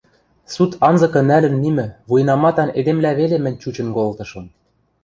суд анзыкы нӓлӹн мимӹ вуйнаматан эдемлӓ веле мӹнь чучын колтышым.